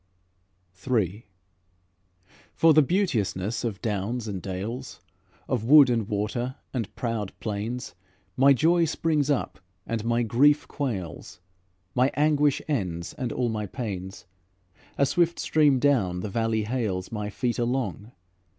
III For the beauteousness of downs and dales, Of wood and water and proud plains, My joy springs up and my grief quails, My anguish ends, and all my pains. A swift stream down the valley hales My feet along.